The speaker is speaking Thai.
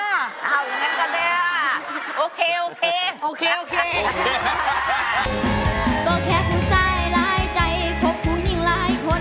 อ้าวอย่างนั้นก็ได้ล่ะ